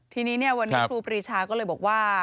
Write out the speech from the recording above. ทีนี้วันนี้ครูปรีชาก็เลยบอกว่า